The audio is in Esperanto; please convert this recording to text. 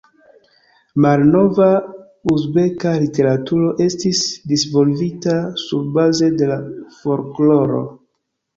Malnova uzbeka literaturo estis disvolvita surbaze de la folkloro.